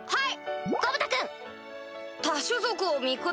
はい！